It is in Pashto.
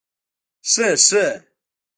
شه شه